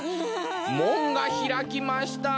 もんがひらきました。